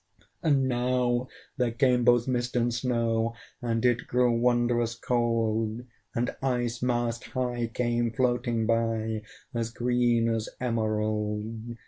And now there came both mist and snow, And it grew wondrous cold: And ice, mast high, came floating by, As green as emerald.